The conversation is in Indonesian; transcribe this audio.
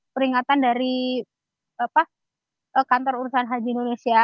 peringatan dari kantor urusan haji indonesia